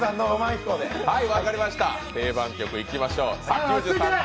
定番曲いきましょう。